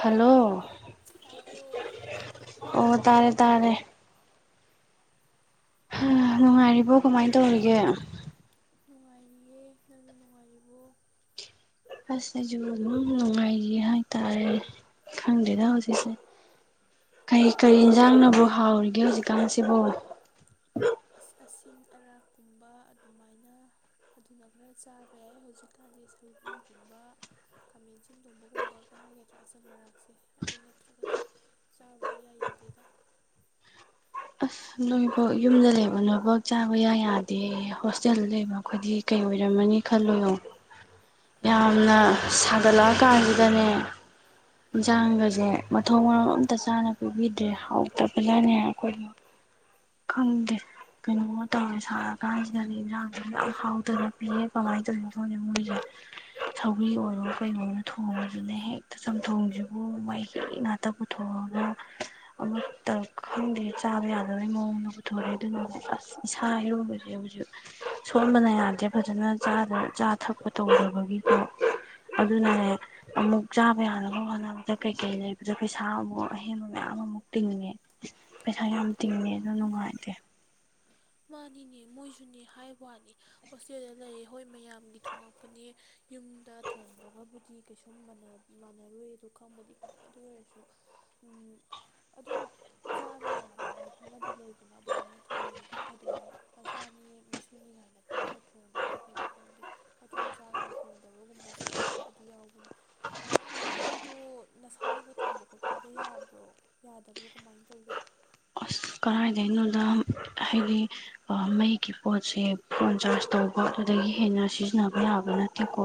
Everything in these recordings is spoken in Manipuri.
ꯍꯜꯂꯣ ꯇꯥꯕ꯭ꯔꯣ ꯑꯣ ꯇꯥꯔꯦ ꯇꯥꯔꯦ ꯍꯍ ꯅꯨꯡꯉꯥꯏꯔꯤꯕꯣ ꯀꯃꯥꯏꯅ ꯇꯧꯔꯤꯒꯦ ꯅꯨꯡꯉꯥꯏꯔꯤꯌꯦ ꯅꯪꯗꯤ ꯅꯨꯡꯉꯥꯏꯔꯤꯕꯣ ꯑꯁ ꯑꯩꯖꯨ ꯑꯗꯨꯝ ꯅꯨꯡꯉꯥꯏꯔꯤ ꯍꯥꯏꯇꯥꯔꯦ ꯈꯪꯗꯦꯗ ꯍꯧꯖꯤꯛꯁꯦ ꯀꯔꯤ ꯀꯔꯤ ꯀꯃ ꯏꯟꯁꯥꯡꯅꯕꯨ ꯍꯥꯎꯔꯤꯒꯦ ꯍꯧꯖꯤꯛ ꯀꯥꯟꯁꯤꯕꯨꯨ ꯎꯛ ꯑꯁ ꯑꯁꯤꯟ ꯑꯔꯥꯛꯀꯨꯝꯕ ꯑꯗꯨꯃꯥꯏꯅ ꯑꯗꯨꯅ ꯈꯔ ꯆꯥꯕ ꯌꯥꯏ ꯍꯧꯖꯤꯛꯀꯥꯟꯗꯤ ꯁꯧꯒ꯭ꯔꯤꯒꯨꯝꯕ ꯈꯥꯃꯦꯟꯁꯤꯟ ꯊꯣꯡꯕꯒꯨꯝꯕꯒ ꯍꯥꯏꯒꯗ꯭ꯔꯥ ꯑꯆꯝ ꯑꯔꯥꯛꯁꯦ ꯑꯗꯨ ꯅꯠꯇ꯭ꯔꯒꯗꯤ ꯆꯥꯕ ꯏꯌꯥ ꯌꯥꯗꯦꯗ ꯅꯣꯏꯐꯧ ꯌꯨꯝꯗ ꯂꯩꯕ ꯅꯣꯏꯐꯧ ꯆꯥꯕ ꯏꯌꯥ ꯌꯥꯗꯦꯌꯦ ꯍꯣꯁꯇꯦꯜꯗ ꯂꯩꯕ ꯑꯩꯈꯣꯏꯗꯤ ꯀꯩ ꯑꯣꯏꯔꯝꯃꯅꯤ ꯈꯜꯂꯣꯌꯦꯡꯎ ꯌꯥꯝꯅ ꯁꯥꯒꯠꯂꯛꯑꯀꯥꯟꯁꯤꯗꯅꯦ ꯏꯟꯁꯥꯡꯒꯁꯦ ꯃꯊꯣꯡ ꯃꯔꯣꯡ ꯑꯝꯇ ꯆꯥꯅ ꯄꯤꯕꯤꯗ꯭ꯔꯦ ꯍꯥꯎꯇꯕꯅꯅꯦ ꯑꯩꯈꯣꯏꯗ ꯈꯪꯗꯦ ꯀꯩꯅꯣꯝꯃ ꯇꯧꯔꯦ ꯁꯥꯔꯥ ꯀꯥꯟꯁꯤꯗꯅꯦ ꯏꯟꯖꯥꯡꯁꯦ ꯌꯥꯝ ꯍꯥꯎꯇꯅ ꯄꯤꯌꯦ ꯀꯃꯥꯏ ꯇꯧꯔꯤꯅꯣ ꯈꯪꯗꯦ ꯃꯣꯏꯖꯦ ꯁꯧꯒ꯭ꯔꯤ ꯑꯣꯏꯔꯣ ꯀꯩ ꯑꯣꯏꯔꯣ ꯊꯣꯡꯉꯖꯨꯅꯦ ꯍꯦꯛꯇ ꯆꯝꯊꯣꯡꯁꯤꯕꯨ ꯃꯍꯤ ꯉꯥꯛꯇ ꯄꯨꯊꯣꯛꯑꯒ ꯑꯃꯠꯇ ꯈꯪꯗꯦ ꯆꯥꯕ ꯌꯥꯗ ꯂꯣꯏꯕꯩ ꯃꯑꯣꯡꯗ ꯄꯨꯊꯣꯔꯛꯑꯦ ꯑꯗꯨꯅꯅꯦ ꯑꯁ ꯏꯁꯥ ꯏꯔꯨꯒꯥꯁꯦ ꯍꯧꯖꯤꯛ ꯁꯣꯟꯕꯅ ꯌꯥꯗ꯭ꯔꯦ ꯐꯖꯅ ꯆꯥꯗ ꯆꯥ ꯊꯛꯄ ꯇꯧꯗꯕꯒꯤꯀꯣ ꯑꯗꯨꯅꯅꯦ ꯑꯃꯨꯛ ꯆꯥꯕ ꯌꯥꯅꯕ ꯍꯣꯠꯅꯕꯗ ꯀꯩ ꯀꯩ ꯂꯩꯕꯗ ꯄꯩꯁꯥ ꯑꯃꯨꯛ ꯑꯍꯦꯟꯕ ꯃꯌꯥꯝ ꯑꯃꯨꯛ ꯇꯤꯡꯉꯦ ꯄꯩꯁꯥ ꯌꯥꯝ ꯇꯤꯡꯉꯦꯗ ꯅꯨꯡꯉꯥꯏꯇꯦ ꯃꯥꯅꯤꯅꯦ ꯃꯣꯏꯁꯨꯅꯦ ꯍꯥꯏꯕ ꯋꯥꯅꯤ ꯍꯣꯁꯇꯦꯜꯗ ꯂꯩꯌꯦ ꯍꯣꯏ ꯃꯌꯥꯝꯒꯤ ꯊꯣꯉꯛꯄꯅꯦ ꯌꯨꯝꯗ ꯊꯣꯡꯕꯒꯕꯨꯗꯤ ꯀꯩꯁꯨꯝ ꯃꯥꯟꯅꯔꯣꯏꯗ ꯈꯪꯕꯨꯗꯤ ꯈꯪꯉꯦ ꯑꯗꯨ ꯑꯣꯏꯔꯁꯨ ꯎꯝ ꯑꯗꯨꯝ ꯆꯥꯕ ꯌꯥꯕ ꯍꯥꯏꯕ ꯑꯃꯗꯤ ꯂꯩꯗꯅ ꯑꯗꯨꯃꯥꯏꯅ ꯊꯣꯡꯕꯤꯔꯗꯤ ꯐꯗꯣꯏꯅꯤ ꯃꯆꯥꯅꯤ ꯃꯁꯨꯅꯤ ꯀꯥꯏꯅ ꯈꯜꯂꯒ ꯊꯣꯡꯗꯕ꯭ꯔꯥ ꯀꯩꯅꯣ ꯈꯪꯗꯦ ꯃꯊꯣꯡ ꯆꯥꯗꯅ ꯊꯣꯡꯗꯕꯒꯨꯝꯕꯁꯦ ꯌꯥꯎꯕꯗꯤ ꯌꯥꯎꯕꯅꯤ ꯑꯗꯨ ꯅꯣꯏꯗꯣ ꯅꯁꯥꯟꯅꯒ ꯊꯣꯡꯕ ꯈꯣꯠꯄꯤꯒ ꯌꯥꯕ꯭ꯔꯣ ꯌꯥꯗꯕ꯭ꯔꯣ ꯀꯃꯥꯏꯅ ꯇꯧꯒꯦ ꯀꯔꯥꯢꯗꯩꯅꯣꯗ ꯍꯥꯢꯗꯤ ꯃꯩꯒꯤ ꯄꯣꯠꯁꯦ ꯐꯣꯟ ꯆꯥꯔꯁ ꯇꯧꯕꯕꯗꯒꯤ ꯍꯦꯟꯅ ꯁꯤꯖꯟꯅꯕ ꯌꯥꯕ ꯅꯠꯇꯦꯀꯣ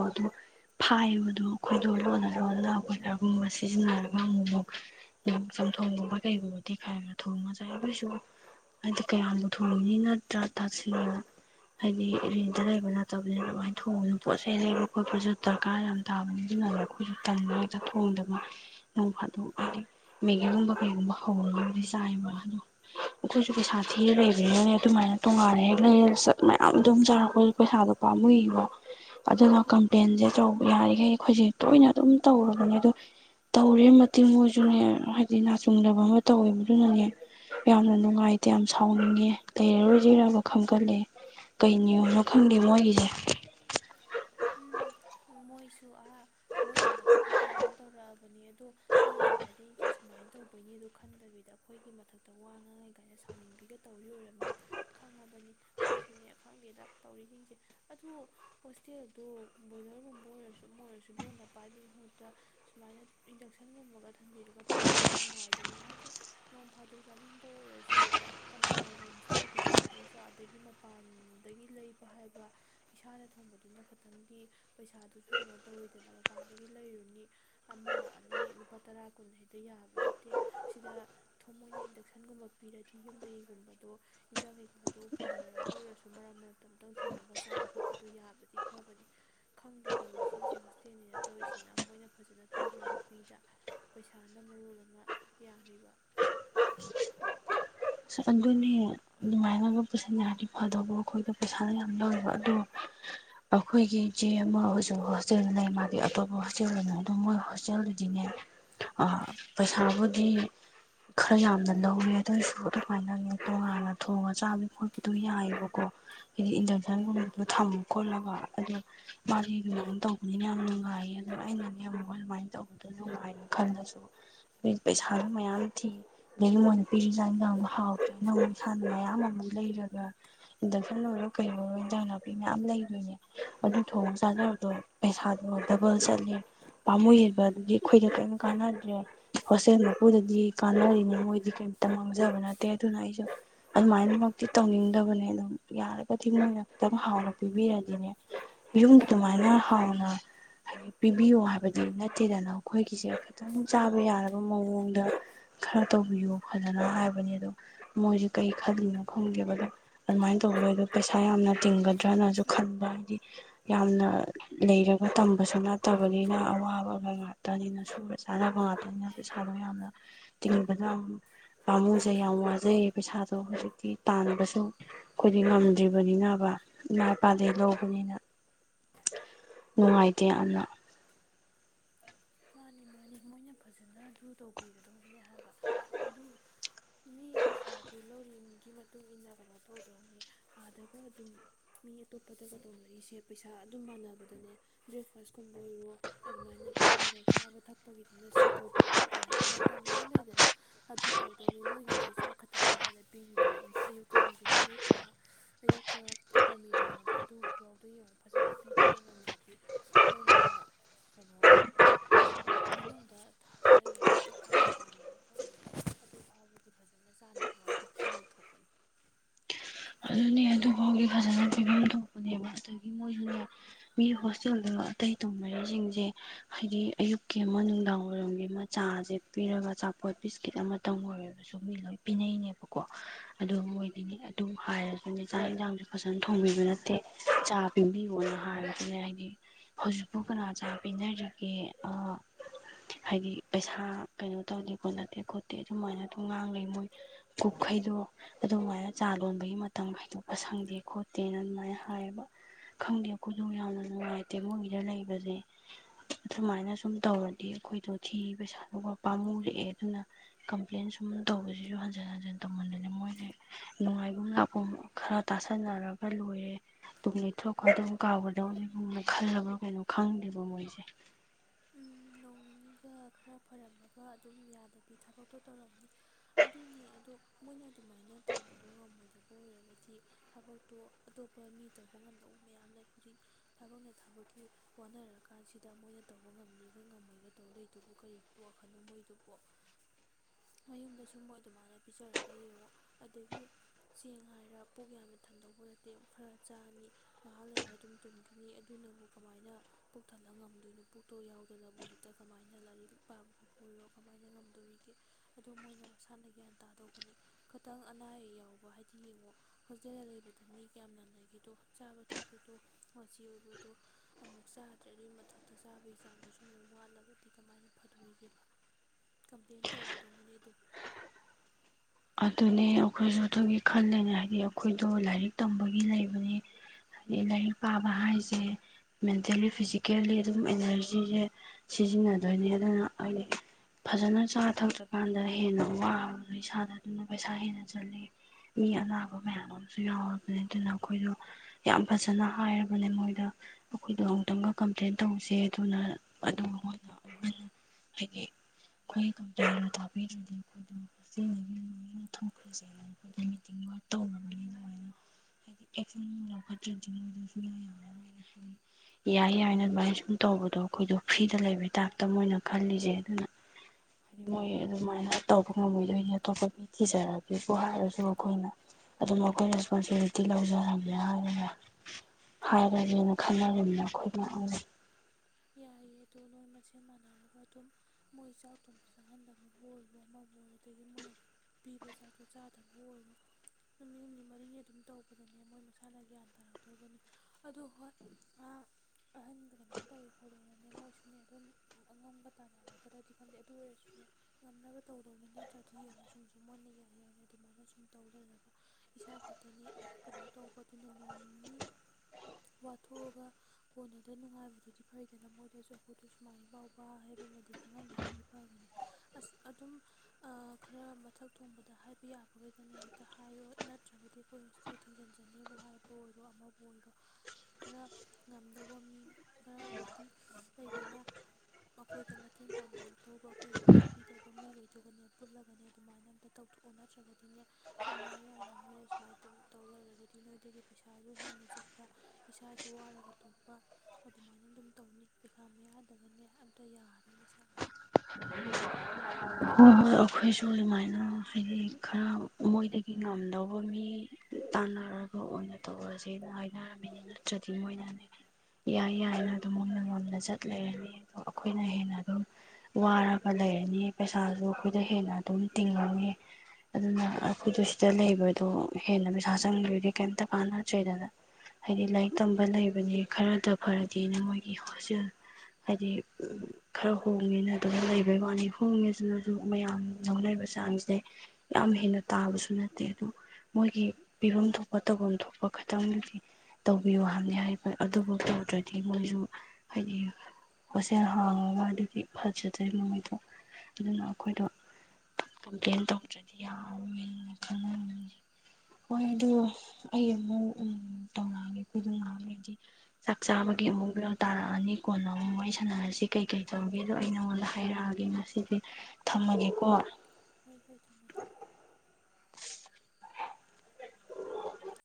ꯐꯥꯢꯑꯦꯕ ꯑꯗꯣ ꯂꯣꯟꯅ ꯂꯣꯟꯅ ꯕꯣꯢꯂꯔꯒꯨꯝꯕ ꯁꯤꯖꯟꯅꯔꯒ ꯑꯃꯨꯛꯃꯨꯛ ꯆꯝꯊꯣꯡꯒꯨꯝꯕꯗꯤ ꯈꯔ ꯈꯔ ꯊꯣꯡꯉꯦ ꯑꯩꯈꯣꯏꯁꯨ ꯍꯥꯏꯗꯤ ꯀꯌꯥꯝ ꯂ ꯊꯣꯡꯅꯤ ꯅꯠꯇ꯭ꯔꯥ ꯇꯥꯁꯤꯕ ꯍꯥꯏꯗꯤ ꯔꯔꯤꯗ ꯂꯩꯕ ꯅꯠꯇꯕꯅꯤꯅ ꯑꯗꯨꯥꯏꯅ ꯊꯣꯡꯕꯗ ꯄꯣꯠ ꯆꯩ ꯂꯩꯕ ꯈꯣꯠꯄꯁꯨ ꯗꯔꯀꯥꯔ ꯌꯥꯝ ꯇꯥꯕꯅꯤ ꯑꯗꯨꯅ ꯑꯩꯈꯣꯏꯁꯨ ꯇꯟꯥꯛꯇ ꯊꯣꯡꯗꯕ ꯅꯣꯡ ꯐꯥꯗꯣꯛ ꯍꯥꯏꯗꯤ ꯃꯦꯒꯤꯒꯨꯝꯕ ꯀꯩꯒꯨꯝꯕ ꯍꯧꯔꯒꯕꯨꯗꯤ ꯆꯥꯏꯕ ꯑꯩꯈꯣꯏꯁꯨ ꯄꯩꯁꯥ ꯊꯤꯔ ꯂꯩꯕꯅꯅꯦ ꯑꯗꯨꯃꯥꯏꯅ ꯇꯣꯡꯉꯥꯜꯂꯦ ꯍꯦꯛ ꯂꯩꯔ ꯁꯠ ꯃꯌꯥꯝ ꯑꯗꯨꯝ ꯆꯥꯔꯛꯄꯁꯨ ꯄꯩꯁꯥꯗꯣ ꯄꯥꯝꯃꯨꯏꯕ ꯑꯗꯨꯅ ꯀꯝꯄ꯭ꯂꯦꯟꯁꯦ ꯇ ꯌꯥꯔꯤꯈꯩ ꯑꯩꯈꯣꯏꯁꯦ ꯇꯣꯏꯅ ꯑꯗꯨꯝ ꯇꯧꯔꯕꯅꯦ ꯑꯗꯣ ꯇꯧꯔꯦ ꯃꯇꯤꯡ ꯃꯣꯏꯁꯨꯅꯦ ꯍꯥꯏꯗꯤ ꯅꯥꯆꯨꯡꯗꯕ ꯑꯃ ꯇꯧꯋꯦꯕꯗꯨꯅꯅꯦ ꯌꯥꯝꯅ ꯅꯨꯡꯉꯥꯏꯇꯦ ꯌꯥꯝ ꯁꯥꯎꯅꯤꯡꯉꯦ ꯂꯩꯔꯔꯣꯏꯁꯤꯔꯕ ꯈꯟꯒꯠꯂ ꯀꯩꯅꯤꯣꯅꯣ ꯈꯪꯗꯦ ꯃꯣꯏꯒꯤꯁꯦ ꯎꯝ ꯃꯣꯏꯁꯨ ꯑꯍꯥ ꯃꯣꯏꯒꯤ ꯃꯊꯛꯇ ꯀꯝꯄ꯭ꯂꯦꯟ ꯇꯧꯔꯛꯑꯕꯅꯤ ꯑꯗꯣ ꯃꯤꯅ ꯍꯥꯏꯔꯛꯏꯁꯦ ꯁꯨꯃꯥꯏꯅ ꯇꯧꯕꯩꯅꯤ ꯑꯗ ꯈꯟꯗꯕꯤꯗ ꯑꯩꯈꯣꯏꯒꯤ ꯃꯊꯛꯇ ꯋꯥꯅꯉꯥꯏ ꯀꯥꯏꯅ ꯁꯥꯎꯅꯤꯡꯕꯤꯒ ꯇꯧꯔꯤ ꯑꯣꯏꯔꯕꯅꯤ ꯈꯪꯉꯕꯅꯤ ꯃꯣꯏꯁꯨꯅꯦ ꯈꯪꯗꯦꯗ ꯇꯧꯔꯤꯁꯤꯡꯁꯦ ꯑꯗꯨ ꯍꯣꯁꯇꯦꯜꯗꯨ ꯕꯣꯏꯂꯔꯒꯨꯝꯕ ꯑꯣꯏꯔꯁꯨ ꯑꯃ ꯑꯣꯏꯔꯁꯨ ꯂꯣꯟꯅ ꯄꯥꯏꯕꯒꯤ ꯃꯍꯨꯠꯇ ꯁꯨꯃꯥꯏꯅ ꯏꯟꯗꯛꯁꯟꯒꯨꯝꯃꯒ ꯊꯝꯕꯤꯔꯒ ꯇꯧꯕ ꯑꯣꯏꯅꯤ ꯅꯨꯡꯉꯥꯏꯗꯕꯅꯤꯅ ꯍꯥꯏꯗꯤ ꯅꯣꯡ ꯐꯥꯗꯣꯛ ꯆꯥꯅꯤꯡꯕ ꯑꯣꯏꯔꯁꯨ ꯀꯅꯥꯅꯕꯨ ꯍꯣꯁꯇꯦꯜꯒꯤ ꯇꯣꯉꯥꯟꯇ ꯑꯗꯒꯤ ꯃꯄꯥꯟꯗꯒꯤ ꯂꯩꯕ ꯍꯥꯏꯕ ꯏꯁꯥꯅ ꯊꯣꯡꯕꯗꯣ ꯑꯗꯨꯅ ꯈꯤꯇꯪꯗꯤ ꯄꯩꯁꯥꯗꯨꯁꯨ ꯀꯩꯅꯣ ꯇꯧꯋꯤꯗꯅ ꯃꯄꯥꯟꯗꯒꯤ ꯂꯩꯔꯨꯅꯤ ꯑꯃ ꯑꯅꯤ ꯂꯨꯄꯥ ꯇꯔꯥ ꯀꯨꯟ ꯍꯥꯏꯦꯛꯇ ꯌꯥꯕ ꯅꯠꯇꯦ ꯁꯤꯗ ꯊꯣꯡ ꯃꯣꯏꯅ ꯏꯟꯗꯛꯁꯟꯒꯨꯝꯕ ꯄꯤꯔꯗꯤ ꯌꯨꯝꯗꯒꯤꯒꯨꯝꯕꯗꯣ ꯍꯟꯖꯥꯡ ꯀꯩꯀꯥꯗꯣ ꯄꯨꯅꯔꯒ ꯑꯣꯏꯔꯁꯨ ꯃꯔꯛ ꯃꯔꯛꯇ ꯑꯝꯨꯇꯪ ꯊꯣꯡꯉꯒ ꯆꯥꯕ ꯈꯣꯠꯄꯗꯣ ꯌꯥꯕꯗꯤ ꯐꯕꯅꯤ ꯈꯪꯗꯦ ꯇꯧꯔꯤꯁꯤꯡꯁꯦ ꯍꯣꯁꯇꯦꯜꯅꯤꯅ ꯇꯧꯔꯤꯁꯤꯅ ꯃꯣꯏꯅ ꯐꯖꯅ ꯄꯤꯕ꯭ꯔꯁꯨ ꯄꯤꯗ ꯄꯩꯁꯥꯅ ꯃꯔꯣꯜ ꯑꯃ ꯌꯥꯝꯃꯤꯕ ꯑꯁ ꯑꯗꯨꯅꯦ ꯑꯗꯨꯃꯥꯏꯅꯒ ꯄꯨꯁꯤꯟꯅꯤ ꯍꯥꯏꯗꯤ ꯐꯗꯕꯨ ꯑꯩꯈꯣꯏꯗ ꯄꯩꯁꯥꯅ ꯌꯥꯝ ꯂꯧꯋꯦꯕ ꯑꯗꯣ ꯑꯩꯈꯣꯏꯒꯤ ꯏꯆꯦ ꯑꯃ ꯍꯧꯖꯤꯛ ꯍꯣꯁꯇꯦꯜ ꯂꯩ ꯃꯥꯒꯤ ꯑꯇꯣꯞꯄ ꯍꯣꯁꯇꯦꯜ ꯑꯃ ꯑꯗꯣ ꯃꯣꯏ ꯍꯣꯁꯇꯦꯜꯗꯨꯗꯤꯅꯦ ꯄꯩꯁꯥꯕꯨꯗꯤ ꯈꯔ ꯌꯥꯝꯅ ꯂꯧꯋꯦ ꯑꯗꯨ ꯑꯣꯏꯁꯨ ꯑꯗꯨꯃꯥꯏꯅ ꯇꯣꯉꯥꯟꯅ ꯊꯣꯡꯉ ꯆꯥꯕ ꯈꯣꯠꯄꯗꯣ ꯌꯥꯏꯑꯕꯀꯣ ꯍꯥꯏꯗꯤ ꯏꯟꯗꯛꯁꯟꯒꯨꯝꯕꯗꯣ ꯊꯝꯃ ꯈꯣꯠꯂꯒ ꯑꯗꯣ ꯃꯥꯁꯦ ꯑꯗꯨꯃꯥꯏꯅ ꯇꯧꯕꯅꯤꯅ ꯌꯥꯝ ꯅꯨꯡꯉꯥꯏꯌꯦ ꯑꯗꯣ ꯑꯩꯅ ꯅꯦꯝꯃꯨ ꯑꯗꯨꯃꯥꯏꯅ ꯇꯧꯕꯗꯣ ꯅꯨꯡꯉꯥꯏꯅ ꯈꯜꯂꯁꯨ ꯑꯩ ꯄꯩꯁꯥꯁꯨ ꯃꯌꯥꯝ ꯊꯤ ꯑꯗꯒꯤ ꯃꯣꯏꯗ ꯄꯤꯔꯤꯖꯥꯥꯏꯅ ꯈꯪꯕ ꯍꯥꯎꯇꯦ ꯅꯧ ꯏꯁꯁꯥ ꯃꯌꯥꯝ ꯑꯃ ꯂꯩꯔꯒ ꯏꯟꯗꯛꯁꯟ ꯑꯣꯏꯔꯣ ꯀꯩ ꯑꯣꯏꯔꯣ ꯏꯟꯖꯥꯡ ꯅꯥꯄꯤ ꯃꯌꯥꯝ ꯂꯩꯗꯣꯏꯅꯦ ꯑꯗꯨ ꯊꯣꯡ ꯆꯥꯖꯕꯗꯣ ꯄꯩꯁꯥꯗꯣ ꯗꯕꯜ ꯆꯠꯂꯦ ꯄꯥꯝꯃꯨꯕ ꯑꯗꯨꯗꯤ ꯑꯩꯈꯣꯏꯗ ꯀꯔꯤꯝ ꯀꯥꯟꯅꯗ꯭ꯔꯦ ꯍꯣꯁꯇꯦꯜ ꯃꯄꯨꯗꯗꯤ ꯀꯥꯟꯅꯔꯤꯅꯤ ꯃꯣꯏꯗꯤ ꯀꯔꯤꯝꯇ ꯃꯥꯡꯖꯕ ꯅ ꯐꯠꯇꯦ ꯑꯗꯨꯅ ꯑꯩꯁꯨ ꯑꯗꯨꯃꯥꯏꯅꯃꯛꯇꯤ ꯇꯧꯅꯤꯡꯗꯕꯅꯦ ꯑꯗꯨꯝ ꯌꯥꯔꯒꯗꯤ ꯃꯣꯏꯅ ꯈꯤꯇꯪ ꯍꯥꯎꯅ ꯄꯤꯕꯤꯔꯗꯤꯅꯦ ꯌꯨꯝꯒꯤ ꯑꯗꯨꯃꯥꯏꯅ ꯍꯥꯎꯅ ꯍꯥꯏꯗꯤ ꯄꯤꯕꯤꯌꯣ ꯍꯥꯏꯕꯗꯤ ꯅꯠꯇꯦꯗꯅ ꯑꯩꯈꯣꯏꯒꯤꯁꯦ ꯈꯤꯇꯪ ꯆꯥꯕ ꯌꯥꯔꯕ ꯃꯑꯣꯡꯗ ꯈꯔ ꯇꯧꯕꯤꯌꯨ ꯐꯖꯅ ꯍꯥꯏꯕꯅꯤ ꯑꯗꯣ ꯃꯣꯏꯁꯦ ꯀꯔꯤ ꯈꯜꯂꯤꯅꯣ ꯈꯪꯒꯦꯕꯗꯣ ꯑꯗꯨꯃꯥꯏꯅ ꯇꯧꯕꯗꯣꯏꯗꯣ ꯄꯩꯁꯥ ꯌꯥꯝꯅ ꯇꯤꯡꯒꯗ꯭ꯔꯅꯁꯨ ꯈꯟꯕ ꯍꯥꯏꯗꯤ ꯌꯥꯝꯅ ꯂꯩꯔꯒ ꯇꯝꯕꯁꯨ ꯅꯠꯇꯕꯅꯤꯅ ꯑꯋꯥꯕꯒ ꯉꯥꯛꯇꯅꯤꯅ ꯁꯨꯔ ꯆꯥꯅꯕ ꯉꯇꯅꯤꯅ ꯄꯩꯁꯥꯗꯣ ꯌꯥꯝꯅ ꯇꯤꯡꯕꯗ ꯄꯥꯝꯃꯨꯁꯦ ꯌꯥꯝ ꯋꯥꯖꯩꯌꯦ ꯄꯩꯁꯥꯗꯣ ꯍꯧꯖꯤꯛꯇꯤ ꯇꯥꯟꯅꯕꯁꯨ ꯑꯩꯈꯣꯏꯗꯤ ꯉꯝꯗ꯭ꯔꯤꯕꯅꯤꯅꯕ ꯏꯃꯥ ꯏꯄꯥꯗꯒꯤꯩ ꯂꯧꯕꯅꯤꯅ ꯅꯨꯡꯉꯥꯏꯇꯦ ꯑꯃꯅ ꯃꯥꯅꯤ ꯃꯥꯅꯤ ꯃꯣꯏꯅ ꯐꯖꯅ ꯑꯗꯨ ꯇꯧꯕꯤꯒꯗꯧꯕ ꯍꯥꯏꯕ ꯑꯗꯨꯝ ꯃꯤ ꯄꯩꯁꯥꯗꯨ ꯂꯧꯔꯤ ꯒꯤ ꯃꯇꯨꯡ ꯏꯟꯅ ꯀꯩꯅꯣ ꯇꯧꯗꯧꯅꯤ ꯑꯥꯗꯒ ꯑꯗꯨꯝ ꯃꯤ ꯑꯇꯣꯞꯄꯗꯒ ꯇꯧꯅꯔꯤꯁꯦ ꯄꯩꯁꯥ ꯑꯗꯨꯝ ꯃꯥꯟꯅꯕꯗꯅꯦ ꯕ꯭ꯔꯦꯛꯐꯥꯁꯀꯨꯝꯕ ꯑꯣꯏꯔꯣ ꯑꯗꯨ ꯄꯤꯔꯒ ꯆꯥꯕ ꯊꯛꯄꯒꯤꯗꯨꯅ ꯁꯤ ꯇꯧꯕ ꯈꯣꯠꯄ ꯍꯥꯏꯕ ꯃꯇꯝ ꯑꯃ ꯂꯩꯗꯅ ꯑꯗꯨ ꯇꯧꯗꯧꯅꯤ ꯅꯣꯏꯒꯤꯗꯤ ꯆꯥꯛ ꯈꯛꯇꯪꯅꯤ ꯑꯗꯨꯋꯥꯏꯗ ꯄꯤꯔꯤꯗꯣ ꯑꯛ ꯑꯌꯨꯛꯀ ꯅꯨꯡ ꯑꯌꯨꯛ ꯑꯌꯨꯛꯀ ꯅꯨꯃꯤꯗꯥꯡꯒꯤ ꯑꯗꯨꯐꯥꯎꯗ ꯌꯦꯡꯉꯣ ꯐꯖꯅ ꯄꯤꯕꯗꯣ ꯉꯝꯗ꯭ꯔꯗꯤ ꯃꯣꯏꯅꯒ ꯀꯩꯅꯣ ꯃꯅꯨꯡꯗ ꯀꯔꯤꯒꯤꯅꯣ ꯊꯣꯛ ꯊꯄ ꯇꯧꯨꯕ꯭ꯔꯥ ꯐꯪꯗ ꯑꯗꯨ ꯐꯥꯎꯕꯗꯤ ꯐꯖꯅ ꯆꯥꯅꯕ ꯐꯥꯎꯗꯤ ꯐꯤꯕꯝꯗꯤ ꯊꯣꯛꯄꯅꯤ ꯑꯗꯨꯅꯦ ꯑꯗꯨꯐꯥꯎꯗꯤ ꯐꯖꯅ ꯄꯤꯐꯝ ꯊꯣꯛꯄꯅꯦꯕ ꯑꯗꯒꯤ ꯃꯣꯏꯁꯤꯅꯦ ꯃꯤ ꯍꯣꯁꯇꯦꯜꯗ ꯑꯇꯩ ꯑ ꯇꯣꯡ ꯃꯔꯤꯁꯤꯡꯁꯦ ꯍꯥꯏꯗꯤ ꯑꯌꯨꯛꯀꯤ ꯑꯃ ꯅꯨꯡꯗꯥꯡ ꯋꯥꯏꯔꯝꯒꯤ ꯑꯃ ꯆꯥꯁꯦ ꯄꯤꯔꯒ ꯑꯆꯥꯄꯣꯠ ꯕꯤꯁꯀꯤꯠ ꯑꯃꯇꯪ ꯑꯣꯏꯔꯕꯁꯨ ꯃꯤ ꯂꯣꯏ ꯄꯤꯅꯩꯅꯦꯕꯀꯣ ꯑꯗꯨ ꯃꯣꯏꯗꯤꯅꯤ ꯑꯗꯨ ꯍꯥꯏꯔꯁꯨꯅꯦ ꯆꯥꯛ ꯌꯦꯟꯁꯥꯡꯁꯨ ꯐꯖꯅ ꯊꯣꯡꯕꯤꯕ ꯅꯠꯇꯦ ꯆꯥ ꯄꯤꯕꯤꯌꯣꯅ ꯍꯥꯏꯕꯗꯨꯅꯦ ꯍꯥꯏꯗꯤ ꯍꯧꯖꯤꯛꯄꯨ ꯀꯅꯥ ꯆꯥ ꯄꯤꯅꯔꯒꯦ ꯍꯥꯏꯗꯤ ꯄꯩꯁꯥ ꯀꯩꯅꯣ ꯇꯧꯗꯦ ꯈꯣꯠꯅꯗꯦ ꯈꯣꯠꯇꯦ ꯑꯗꯨꯃꯥꯏꯅ ꯑꯗꯨꯣ ꯉꯥꯡꯅꯩ ꯃꯣꯏ ꯀꯣꯛꯈꯩꯗꯣ ꯑꯗꯨꯃꯥꯏꯅ ꯆꯥ ꯂꯣꯟꯕꯒꯤ ꯃꯇꯝ ꯈꯩꯗꯣꯛꯄ ꯁꯪꯗꯦ ꯈꯣꯠꯇꯦꯅ ꯑꯗꯨꯃꯥꯏꯅ ꯍꯥꯏꯕ ꯈꯪꯗꯦ ꯑꯩꯈꯣꯏꯗꯣ ꯌꯥꯝꯅ ꯅꯨꯡꯉꯥꯏꯇꯦ ꯃꯣꯏꯒꯤꯗ ꯂꯩꯕꯁꯦ ꯑꯗꯨꯃꯥꯏꯅ ꯁꯨꯝ ꯇꯧꯔꯗꯤ ꯑꯩꯈꯣꯏꯗꯣ ꯊꯤ ꯄꯩꯁꯥꯗꯨꯒ ꯄꯥꯝꯃꯨꯔꯛꯑꯦ ꯑꯗꯨꯅ ꯀꯝꯄ꯭ꯂꯦꯟ ꯁꯨꯝ ꯇꯧꯕꯁꯤꯁꯨ ꯍꯟꯖꯤꯟ ꯍꯟꯖꯤꯟ ꯇꯧꯃꯟꯗꯅ ꯃꯣꯏꯁ ꯅꯨꯡꯉꯥꯏꯐꯝ ꯂꯥꯛꯄ ꯈꯔ ꯇꯥꯁꯟꯅꯔꯒ ꯂꯣꯏꯔꯦ ꯇꯨꯡ ꯂꯩꯩꯊꯣꯛ ꯈꯣꯠꯇꯣꯛ ꯀꯥꯎꯒꯗꯕꯅꯤꯒꯨꯝꯅ ꯈꯜꯂꯕ ꯀꯩꯅꯣ ꯈꯪꯗꯦꯕ ꯃꯣꯏꯁꯦ ꯅꯣꯡ ꯅꯤꯅꯤꯒ ꯈꯔ ꯐꯔꯝꯃꯒ ꯑꯗꯨꯝ ꯌꯥꯗꯕꯤ ꯊꯕꯛꯇꯣ ꯇꯧꯔꯝꯅꯤ ꯑꯗꯨꯅꯦ ꯑꯗꯣ ꯃꯣꯏꯅ ꯑꯗꯨꯃꯥꯏꯅ ꯇꯧꯕꯗꯣ ꯉꯝꯃꯣꯏꯗꯕ ꯑꯣꯏꯔꯒꯗꯤ ꯊꯕꯛꯇꯣ ꯑꯇꯣꯞꯄ ꯃꯤ ꯇꯧꯕ ꯉꯝꯗꯧꯕ ꯃꯌꯥꯝ ꯂꯩ ꯍꯧꯖꯤꯛ ꯊꯕꯛꯅ ꯊꯕꯒꯤ ꯋꯥꯅꯔꯀꯥꯟꯁꯤꯗ ꯃꯣꯏꯅ ꯇꯧꯕ ꯉꯝꯅꯤꯒ ꯉꯝꯃꯣꯏꯒ ꯇꯧꯗꯣꯏꯗꯨꯕꯨ ꯀꯔꯤ ꯄꯣ ꯋꯥꯈꯜꯅꯣ ꯃꯣꯏꯗꯨꯕꯨ ꯃꯌꯨꯝꯗꯁꯨ ꯃꯣꯏ ꯑꯗꯨꯃꯥꯏꯅ ꯄꯤꯖꯔꯒ ꯌꯦꯡꯉꯣ ꯑꯗꯒꯤ ꯆꯦꯡ ꯍꯥꯏꯔ ꯄꯨꯛ ꯌꯥꯝꯅ ꯊꯟꯗꯧꯕ ꯅꯠꯇꯦ ꯈꯔ ꯆꯥꯅꯤ ꯉꯍꯥ ꯂꯩꯔꯒ ꯑꯗꯨꯝ ꯇꯨꯝꯈꯤꯅꯤ ꯑꯗꯨꯅꯕꯨ ꯀꯃꯥꯏꯅ ꯄꯣꯛꯊꯠꯂꯒ ꯉꯝꯗꯣꯏꯅꯣ ꯛꯇꯣ ꯌꯥꯎꯗꯅꯕꯨ ꯍꯦꯛꯇ ꯀꯃꯥꯏꯅ ꯂꯥꯏꯔꯤꯛ ꯄꯥꯕ ꯈꯣꯠꯄ ꯑꯣꯏꯔꯣ ꯀꯃꯥꯏꯅ ꯉꯝꯗꯣꯔꯤꯒꯦ ꯑꯗꯨꯗ ꯃꯣꯏꯅ ꯃꯁꯥꯅ ꯒ꯭ꯌꯥꯟ ꯇꯥꯗꯧꯕꯅꯤ ꯈꯤꯇꯪ ꯑꯅꯥ ꯑꯌꯦꯛ ꯌꯥꯎꯕ ꯍꯥꯏꯗꯤ ꯌꯦꯡꯉꯣ ꯍꯣꯁꯇꯦꯜꯗ ꯂꯩꯕꯗ ꯃꯤ ꯀꯌꯥꯝ ꯟꯅꯒꯦꯗꯣ ꯆꯥꯕ ꯊꯛꯄꯗꯣ ꯃꯆꯤ ꯑꯣꯏꯕꯗꯣ ꯑꯃꯨꯛ ꯆꯥꯗ꯭ꯔꯦ ꯑꯗꯨꯒꯤ ꯃꯊꯛꯇ ꯆꯥꯕꯒꯤ ꯆꯥꯡꯗꯣ ꯁ ꯑꯃꯨꯛ ꯋꯥꯠꯂꯒꯗꯤ ꯀꯃꯥꯏꯅ ꯐꯗꯣꯔꯤꯒꯦꯕ ꯀꯝꯄ꯭ꯂꯦꯟ ꯇꯧꯒꯗꯧꯕꯅꯦꯗꯣ ꯑꯗꯨꯅꯦ ꯑꯩꯈꯣꯏꯁꯨ ꯑꯗꯨꯒꯤ ꯈꯜꯂꯦꯅꯦ ꯍꯥꯏꯗꯤ ꯑꯩꯈꯣꯏꯗꯣ ꯂꯥꯏꯔꯤꯛ ꯇꯝꯕꯒꯤ ꯂꯩꯕꯅꯤ ꯍꯥꯏꯗꯤ ꯂꯥꯏꯔꯤꯛ ꯄꯥꯕ ꯍꯥꯏꯁꯦ ꯃꯦꯟꯇꯦꯜꯂꯤ ꯐꯤꯖꯤꯀꯦꯜꯂꯤ ꯑꯗꯨꯝ ꯑꯦꯅꯔꯖꯤꯁꯦ ꯁꯤꯖꯤꯟꯅꯗꯣꯏꯅꯦ ꯑꯗꯨꯅ ꯍꯥꯏꯗꯤ ꯐꯖꯅ ꯆꯥ ꯊꯛꯇ꯭ꯔꯀꯥꯟꯗ ꯍꯦꯟꯅ ꯋꯥꯕ ꯏꯁꯥꯗ ꯑꯗꯨꯅ ꯄꯩꯁꯥ ꯍꯦꯟꯅ ꯆꯜꯂꯤ ꯃꯤ ꯑꯅꯥꯕ ꯃꯌꯥꯝ ꯑꯃꯁꯨ ꯌꯥꯎꯔꯕꯅꯦ ꯑꯗꯨꯅ ꯑꯩꯈꯣꯏꯗꯣ ꯌꯥꯝ ꯐꯖꯅ ꯍꯥꯏꯔꯕꯅꯦ ꯃꯣꯏꯗ ꯑꯩꯈꯣꯏꯗꯣ ꯑꯃꯨꯛꯇꯪꯒ ꯀꯝꯄ꯭ꯂꯦꯟ ꯇꯧꯁꯦ ꯑꯗꯨꯅ ꯑꯗꯨ ꯃꯣꯏꯅ ꯑꯃꯟꯅ ꯍꯥꯏꯗꯤ ꯑꯩꯈꯣꯏꯒꯤ ꯀꯝꯄ꯭ꯂꯦꯟꯗꯣ ꯇꯥꯕꯤꯗꯗꯤ ꯑꯩꯈꯣꯏꯗꯣ ꯂꯧ ꯍꯥꯏ ꯌꯥꯏ ꯌꯥꯏꯅ ꯑꯗꯨꯃꯥꯏꯅ ꯁꯨꯝ ꯇꯧꯕꯗꯣ ꯑꯩꯈꯣꯏꯗꯣ ꯐ꯭ꯔꯤꯗ ꯂꯩꯕꯩ ꯇꯥꯏꯞꯇ ꯃꯣꯏꯅ ꯈꯜꯂꯤꯁꯦ ꯑꯗꯨꯅ ꯍꯥꯏꯗꯤ ꯃꯣꯏ ꯑꯗꯨꯃꯥꯏꯅ ꯇꯧꯕ ꯉꯝꯃꯣꯏꯗꯣꯏꯅꯦ ꯑꯇꯣꯞꯄ ꯃꯤ ꯊꯤꯖꯔꯕꯤꯕꯨ ꯍꯥꯏꯔꯁꯨ ꯑꯩꯈꯣꯏꯅ ꯑꯗꯨꯝ ꯑꯩꯈꯣꯏ ꯔꯦꯁꯄꯣꯟꯁꯤꯕꯤꯂꯤꯇꯤ ꯂꯧꯖꯔꯝꯒꯦ ꯍꯥꯏꯔꯒ ꯍꯥꯏꯔꯒꯦꯅ ꯈꯟꯅꯔꯅꯤꯅ ꯑꯩꯈꯣꯏꯅ ꯌꯥꯏꯑ ꯑꯗꯣ ꯅꯣꯏ ꯃꯁꯦꯟ ꯃꯥꯟꯅꯔꯒ ꯑꯗꯨꯝ ꯃꯣꯏ ꯆꯥꯛ ꯊꯣꯡꯕ ꯆꯪꯍꯟꯗꯕꯕꯨ ꯑꯣꯏꯔꯣ ꯑꯃꯕꯨ ꯑꯣꯏꯔꯣ ꯑꯗꯒꯤ ꯃꯣꯏꯅ ꯄꯤꯕ ꯆꯥꯛꯊꯣꯛ ꯆꯥꯗꯕꯕꯨ ꯑꯣꯏꯔꯣ ꯅꯨꯃꯤꯠ ꯍꯨꯝꯅꯤ ꯃꯔꯤꯅꯤ ꯑꯗꯨꯝ ꯇꯧꯕꯗꯅꯦ ꯃꯣꯏ ꯃꯁꯥꯅ ꯒ꯭ꯌꯥꯟ ꯇꯥꯔꯗꯧꯕꯅꯤ ꯑꯗꯣ ꯍꯣꯏ ꯑꯍꯟ ꯀꯩꯅꯣ ꯇꯧꯏ ꯈꯣꯠꯂꯦꯅꯅꯦ ꯃꯣꯏꯁꯨꯅꯦ ꯑꯗꯨꯝ ꯑꯉꯝꯕ ꯇꯥꯟꯅꯔꯛꯒꯗ꯭ꯔꯗꯤ ꯈꯪꯗꯦ ꯑꯗꯨ ꯑꯣꯏꯔꯁꯨꯅꯦ ꯉꯝꯅꯕ ꯇꯧꯗꯧꯅꯤ ꯅꯠꯇ꯭ꯔꯗꯤ ꯌꯦꯡꯉꯨ ꯁꯨꯝꯁꯨ ꯃꯣꯏꯅ ꯌꯥꯏ ꯌꯥꯏꯅꯤ ꯑꯗꯨꯃꯥꯏꯅ ꯁꯨꯝ ꯇꯧ ꯂꯩꯔꯒ ꯏꯁꯥ ꯈꯛꯇꯅꯤ ꯀꯩꯅꯣ ꯇꯧꯕꯗꯨꯅ ꯅꯣꯡ ꯉꯤ ꯋꯥꯊꯣꯛꯑꯒ ꯀꯣꯟꯅꯗ ꯅꯨꯡꯉꯥꯏꯕꯗꯨ ꯗꯤ ꯐꯩꯗꯅ ꯃꯣꯏꯗꯁꯨꯈꯨꯠꯇꯣ ꯁꯨꯃꯥꯏ ꯐꯥꯎꯕ ꯍꯥꯏꯕꯃ ꯈꯪꯍꯟꯕꯅꯗꯤ ꯐꯕꯅꯤ ꯑꯁ ꯑꯗꯨꯝ ꯈꯔ ꯃꯊꯛ ꯊꯣꯡꯕꯗ ꯍꯥꯏꯕ ꯌꯥꯕꯈꯩꯗꯅꯦ ꯍꯦꯛꯇ ꯍꯥꯏꯌꯣ ꯅꯠꯇ꯭ꯔꯒꯗꯤ ꯑꯩꯈꯣꯏ ꯍꯣꯁꯇꯦꯜ ꯊꯤꯡꯖꯤꯟꯖꯅꯤꯕꯨ ꯍꯥꯏꯕ ꯑꯣꯏꯔꯣ ꯑꯃꯕꯨ ꯑꯣꯏꯔꯣ ꯈꯔ ꯉꯝꯗꯧꯕ ꯃꯤ ꯈꯔ ꯍꯥꯏꯗꯤ ꯂꯩꯗꯅ ꯑꯩꯈꯣꯏꯗ ꯃꯇꯦꯡ ꯄꯥꯡꯕꯤꯔꯛꯇꯧꯕ ꯑꯩꯈꯣꯏ ꯋꯥ ꯇꯥꯕꯤꯗꯧꯕ ꯃꯤ ꯂꯩꯩꯗꯨꯒꯅꯦ ꯄꯨꯜꯂꯒꯅꯦ ꯑꯗꯨꯃꯥꯏꯅ ꯑꯝꯇ ꯇꯧꯊꯣꯛꯑꯣ ꯅꯠꯇ꯭ꯔꯒꯗꯤꯅꯦ ꯁꯨꯝ ꯌꯥꯏ ꯌꯥꯏꯅꯦ ꯃꯣꯏꯅ ꯁꯨꯃꯥꯏꯅ ꯇꯧ ꯂꯩꯔꯒꯗꯤ ꯅꯣꯏꯗꯒꯤ ꯄꯩꯁꯥꯁꯨ ꯍꯦꯟꯅ ꯆꯠꯄ ꯏꯁꯥꯁꯨ ꯋꯥꯔꯒ ꯇꯣꯛꯄ ꯑꯗꯨꯃꯥꯏꯅ ꯑꯗꯨꯝ ꯇꯧꯅꯤ ꯄꯩꯈꯥꯝ ꯌꯥꯗꯒꯅꯦ ꯑꯝꯇ ꯌꯥꯔꯔꯣꯏꯅ ꯁꯥꯔꯤꯩꯗꯣ ꯑꯩꯈꯣꯏꯁꯨ ꯑꯗꯨꯃꯥꯏꯅ ꯍꯥꯏꯗꯤ ꯈꯔ ꯃꯣꯏꯗꯒꯤ ꯉꯝꯗꯧꯕ ꯃꯤ ꯇꯥꯟꯅꯔꯒ ꯑꯣꯏꯅ ꯇꯧꯔꯁꯦ ꯉꯥꯏꯅꯔꯃꯤꯅꯤ ꯅꯠꯇ꯭ꯔꯗꯤ ꯃꯣꯏꯅ ꯌꯥꯏ ꯌꯥꯏꯅ ꯑꯗꯨꯝ ꯃꯅ ꯉꯣꯝꯅ ꯆꯠ ꯂꯩꯔꯅꯤ ꯑꯗꯣ ꯑꯩꯈꯣꯏꯅ ꯍꯦꯟꯅ ꯑꯗꯨꯝ ꯋꯥꯔꯒ ꯂꯩꯔꯅꯤ ꯄꯩꯁꯥꯁꯨ ꯑꯩꯈꯣꯏꯗ ꯍꯦꯟꯅ ꯑꯗꯨꯝ ꯇꯤꯡꯉꯅꯤ ꯑꯗꯨꯅ ꯑꯩꯈꯣꯏꯗ ꯁꯤꯗ ꯂꯩꯕꯗꯣ ꯍꯦꯟꯅ ꯄꯩꯁꯥ ꯆꯪꯗꯗꯤ ꯀꯩꯝꯇ ꯀꯥꯟꯅꯗ꯭ꯔꯦꯗꯅ ꯍꯥꯏꯗꯤ ꯂꯥꯏꯔꯤꯛ ꯇꯝꯕ ꯂꯩꯕꯅꯤ ꯈꯔꯗ ꯐꯔꯗꯤꯦꯅ ꯃꯣꯏꯒꯤ ꯍꯣꯁꯇꯦꯜ ꯍꯥꯏꯗꯤ ꯈꯔ ꯍꯣꯡꯉꯦꯅ ꯑꯗꯨꯝ ꯂꯩꯕꯩ ꯋꯥꯅꯤ ꯍꯣꯡꯉꯦꯁꯤꯅꯁꯨ ꯃꯌꯥꯝ ꯂꯧꯅꯔꯤꯕ ꯆꯥꯡꯁꯦ ꯌꯥꯝ ꯍꯦꯟꯅ ꯇꯥꯕꯁꯨ ꯅꯠꯇꯦ ꯑꯗꯨꯗ ꯃꯣꯏꯒꯤ ꯄꯤꯐꯝ ꯊꯣꯛꯄ ꯇꯧꯐꯝ ꯊꯣꯛꯄ ꯈꯇꯪꯅꯗꯤ ꯇꯧꯕꯤꯌꯨ ꯍꯥꯏꯅꯤ ꯍꯥꯏꯕ ꯑꯗꯨꯕꯨ ꯇꯧꯗ꯭ꯔꯗꯤ ꯃꯣꯏꯁꯨ ꯍꯥꯏꯗꯤ ꯍꯣꯁꯇꯦꯜ ꯍꯥꯡꯉꯒ ꯑꯗꯨꯗꯤ ꯐꯖꯗ꯭ꯔꯦ ꯃꯣꯏꯗꯣ ꯑꯗꯨꯅ ꯑꯩꯈꯣꯏꯗꯣ ꯀꯝꯄ꯭ꯂꯦꯟ ꯇꯧꯗ꯭ꯔꯗꯤ ꯌꯥꯔꯦꯅꯅ ꯈꯪ ꯍꯣꯏ ꯑꯗꯨ ꯑꯩ ꯑꯃꯨꯛ ꯇꯧꯔꯛꯑꯒꯦ ꯑꯩꯈꯣꯏꯗ ꯉꯥꯡꯈ꯭ꯔꯗꯤ ꯆꯥꯛ ꯆꯥꯕꯒꯤ ꯑꯃꯨꯛ ꯇꯥꯔꯛꯑꯅꯤ ꯀꯣꯟꯅ ꯑꯃꯨꯛ ꯋꯥꯔꯤ ꯁꯥꯟꯅꯔꯁꯤ ꯀꯩꯀꯩ ꯇꯧꯒꯦꯗꯣ ꯑꯩ ꯅꯉꯣꯟꯗ ꯍꯥꯏꯔꯛꯑꯒꯦ ꯑꯁꯤꯗꯤ ꯊꯝꯃꯒꯦꯀꯣ ꯍꯣꯏ ꯍꯣꯏ ꯊꯝꯃꯣ ꯊꯝꯃꯣ INAUDIBLE